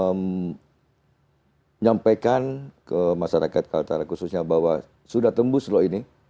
saya menyampaikan ke masyarakat kaltara khususnya bahwa sudah tembus loh ini